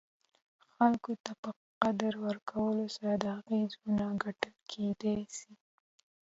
خلګو ته په قدر ورکولو سره، د هغه زړونه ګټل کېداى سي.